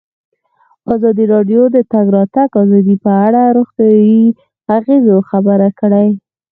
ازادي راډیو د د تګ راتګ ازادي په اړه د روغتیایي اغېزو خبره کړې.